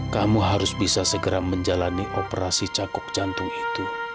kamu harus bisa segera menjalani operasi cakup jantung itu